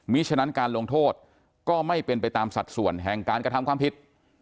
มีฉะนั้นการลงโทษก็ไม่เป็นไปตามสัดส่วนแห่งการกระทำความผิด